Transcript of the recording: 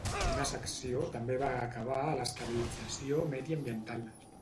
Una secció també va acabar a l"estabilització mediambiental.